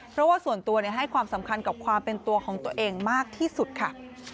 เพราะว่าส่วนตัวให้ความสำคัญกับความเป็นตัวของตัวเองมากที่สุดค่ะ